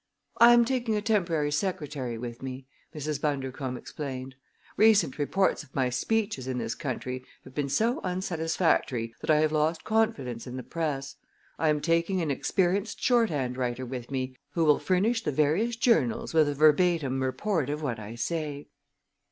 "I am taking a temporary secretary with me," Mrs. Bundercombe explained. "Recent reports of my speeches in this country have been so unsatisfactory that I have lost confidence in the Press. I am taking an experienced shorthand writer with me, who will furnish the various journals with a verbatim report of what I say."